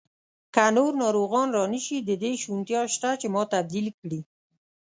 که نور ناروغان را نه شي، د دې شونتیا شته چې ما تبدیل کړي.